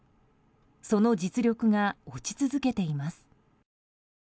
その実力が落ち続けています。